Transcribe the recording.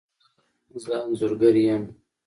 زه انځورګر یم